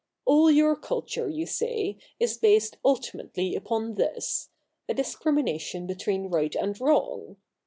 All your culture, you say, is based ultimately upon this — a discrimination between right and wrong.